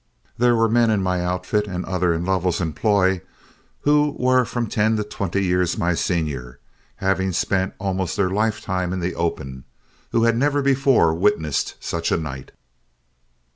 There were men in my outfit, and others in Lovell's employ, who were from ten to twenty years my senior, having spent almost their lifetime in the open, who had never before witnessed such a night.